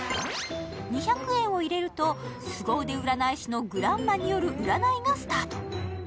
２００円を入れるとすご腕占い師のグランマによる占いがスタート